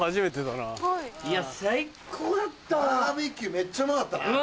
めっちゃうまかったな。